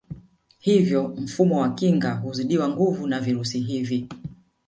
Hivyo mfumo wa kinga huzidiwa nguvu na virusi hivi